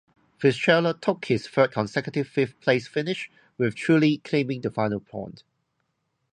Fisichella took his third consecutive fifth-place finish, with Trulli claiming the final point.